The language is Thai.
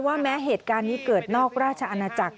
แม้เหตุการณ์นี้เกิดนอกราชอาณาจักร